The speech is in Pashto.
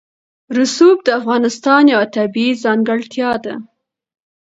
رسوب د افغانستان یوه طبیعي ځانګړتیا ده.